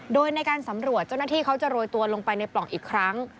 โดยในการสำรวจเจ้าหน้าที่เขาจะโรยตัวลงไปในปล่องอีกครั้ง